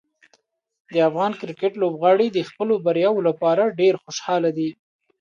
د افغان کرکټ لوبغاړي د خپلو بریاوو لپاره ډېر خوشحاله دي.